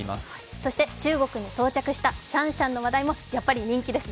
そして中国に到着したシャンシャンの話題もやっぱり人気ですね。